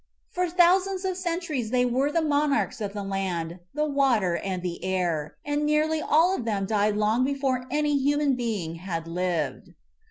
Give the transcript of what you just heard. For thousands of centuries they were the monarchs of the land, the water, and the air, and nearly all of them died long before any human being had lived.